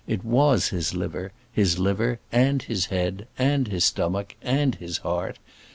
It was his liver; his liver, and his head, and his stomach, and his heart.